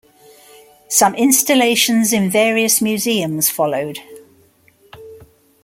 Some installations in various museums followed.